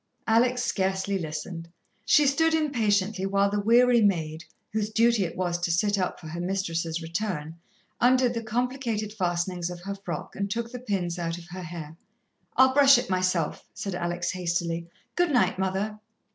Alex scarcely listened. She stood impatiently while the weary maid, whose duty it was to sit up for her mistress's return, undid the complicated fastenings of her frock, and took the pins out of her hair. "I'll brush it myself," said Alex hastily. "Good night, mother."